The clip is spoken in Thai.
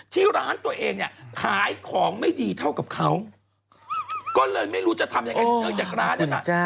ที่ร้านตัวเองเนี่ยขายของไม่ดีเท่ากับเขาก็เลยไม่รู้จะทำยังไงเนื่องจากร้านนั้นน่ะ